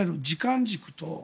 時間軸と。